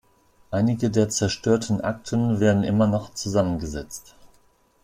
Einige der zerstörten Akten werden immer noch zusammengesetzt.